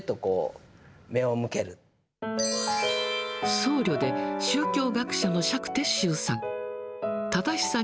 僧侶で宗教学者の釈徹宗さん。